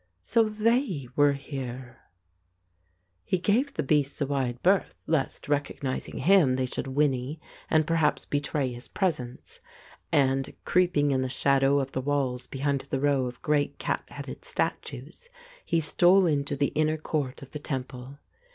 So they were here. 204 The Ape He gave the beasts a wide berth, lest, recognizing him, they should whinny and perhaps betray his presence, and, creeping in the shadow of the walls behind the row of great cat headed statues, he stole into the inner court of the temple.